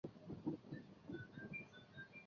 秘鲁无产阶级党是秘鲁的一个共产主义政党。